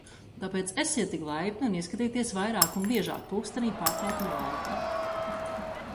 Tāpēc esiet tik laipni un ieskatieties vairāk un biežāk pulkstenī pārtraukuma laikā.